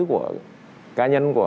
của cá nhân